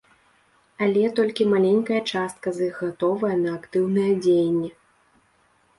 Але толькі маленькая частка з іх гатовая на актыўныя дзеянні.